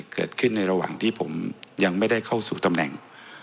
เกิดขึ้นในระหว่างที่ผมยังไม่ได้เข้าสู่ตำแหน่ง